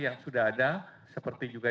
yang sudah ada seperti juga